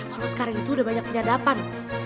kalau sekarang itu udah banyak penyadapan